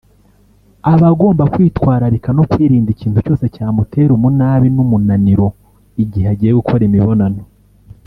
aba agomba kwitwararika no kwirinda ikintu cyose cyamutera umunabi n’umunaniro igihe agiye gukora imibonano